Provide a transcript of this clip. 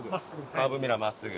カーブミラー真っすぐ。